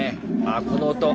あこの音！